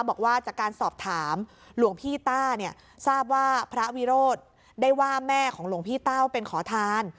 บอกว่าจากการสอบถามหลวงพี่ต้าเนี่ยทราบว่าพระวิโรธได้ว่าแม่ของหลวงพี่เต้าเป็นขอทาน